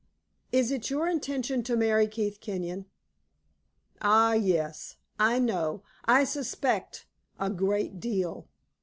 Is it your intention to marry Keith Kenyon? Ah, yes! I know I suspect a great deal.